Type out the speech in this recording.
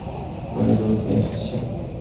অনেকগুলো নিয়ে এসেছি।